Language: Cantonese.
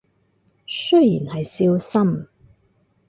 雖然係少深